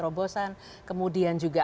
mereka harus bisa membuat inovasi inovasi